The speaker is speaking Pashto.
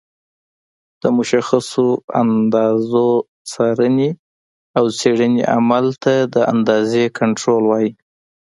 د مشخصو اندازو څارنې او څېړنې عمل ته د اندازې کنټرول وایي.